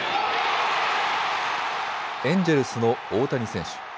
エンジェルスの大谷選手。